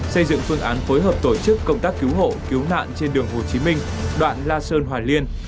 xây dựng phương án phối hợp tổ chức công tác cứu hộ cứu nạn trên đường hồ chí minh đoạn la sơn hòa liên